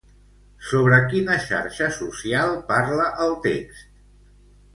Sobre quina xarxa social parla el text?